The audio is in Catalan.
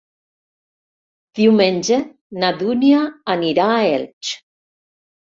Diumenge na Dúnia anirà a Elx.